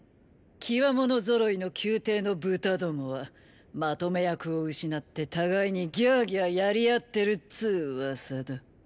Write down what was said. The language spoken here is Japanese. キワモノぞろいの宮廷のブタどもはまとめ役を失って互いにギャーギャーやりあってるっつー噂だ。